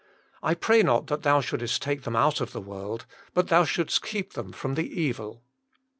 I pray not that Thou shouldest take them out of the world, but that Thou shouldest keep them from the evil.